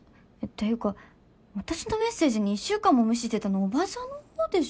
ていうか私のメッセージに１週間も無視してたの叔母さんの方でしょ。